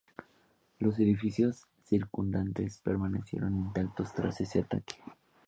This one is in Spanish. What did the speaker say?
Los edificios circundantes permanecieron intactos tras ese ataque.